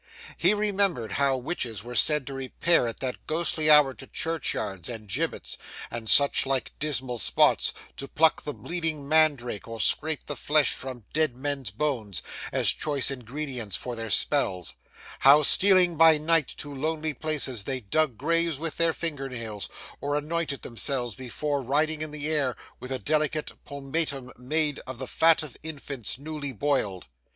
He remembered how witches were said to repair at that ghostly hour to churchyards and gibbets, and such like dismal spots, to pluck the bleeding mandrake or scrape the flesh from dead men's bones, as choice ingredients for their spells; how, stealing by night to lonely places, they dug graves with their finger nails, or anointed themselves before riding in the air, with a delicate pomatum made of the fat of infants newly boiled.